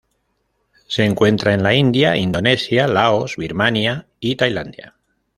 Se encuentra en la India, Indonesia, Laos, Birmania, y Tailandia.